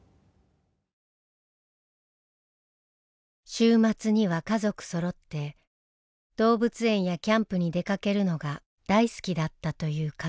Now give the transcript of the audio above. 週末には家族そろって動物園やキャンプに出かけるのが大好きだったという家族。